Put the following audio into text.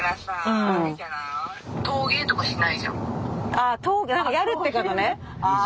ああやるってことね。